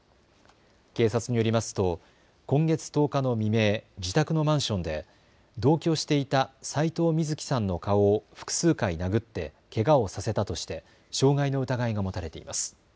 警察によりますと今月１０日の未明、自宅のマンションで同居していた齋藤瑞希さんの顔を複数回殴ってけがをさせたとして傷害の疑いが持たれています。